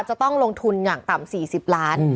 จะต้องลงทุนอย่างต่ำ๔๐ล้าน